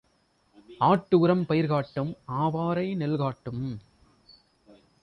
ஆட்டு உரம் பயிர் காட்டும் ஆவாரை நெல் காட்டும்.